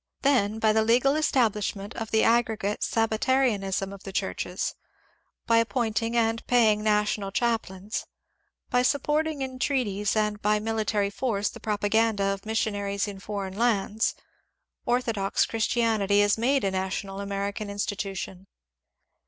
Then by the legal estab lishment of the aggregate Sabbatarianism of the churches, by appointing and paying national chaplains, by supporting in treaties and by military force the propaganda of missionaries in foreign lands, orthodox Christianity is made a national American institution.